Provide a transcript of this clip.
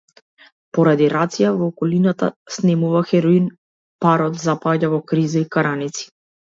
Поради рација, во околината снемува хероин, парот запаѓа во криза и караници.